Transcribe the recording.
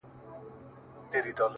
ده ناروا’